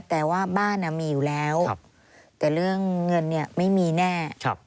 แต่ว่าบ้านมีอยู่แล้วแต่เรื่องเงินไม่มีแน่